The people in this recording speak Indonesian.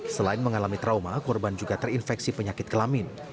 selain mengalami trauma korban juga terinfeksi penyakit kelamin